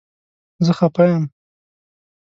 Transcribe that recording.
زه خپه یم